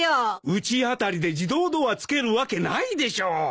うちあたりで自動ドアつけるわけないでしょう。